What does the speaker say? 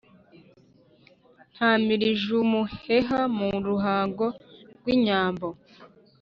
Ntamirije umuheha mu ruhanga rw’inyambo.